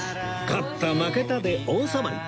勝った負けたで大騒ぎ